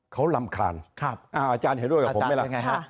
เขารำคาญครับอ่าอาจารย์เห็นด้วยกับผมไหมล่ะอาจารย์เป็นไงฮะ